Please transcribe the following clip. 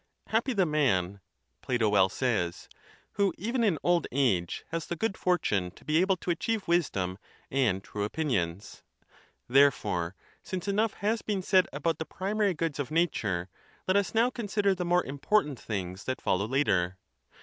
Happy the man,' Plato well says, who even in old age has the good fortune to be able to achieve wisdom and true opinions.'* Therefore since enough has been said about the primary goods of nature, let us now consider the more important things that follow ■9 later.